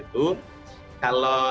pada saat belajar itu